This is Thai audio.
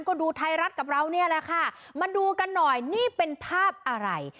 ก็ดูไทยรัฐกับเราเนี่ยแหละค่ะมาดูกันหน่อยนี่เป็นภาพอะไร